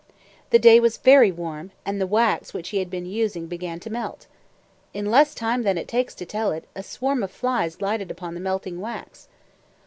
The day was very warm, and the wax which he had been using began to melt. In less time than it takes to tell it, a swarm, of flies lighted upon the melting wax.